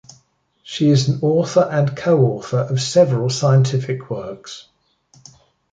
She is an author and co-author of several scientific works.